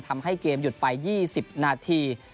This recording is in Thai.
ทำให้เกมหยุดไป๒๐นาที